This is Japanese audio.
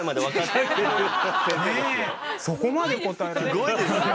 すごいですよね！